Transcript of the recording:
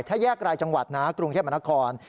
ถ้าแยกรายจังหวัดนะกรุงเทพมนคร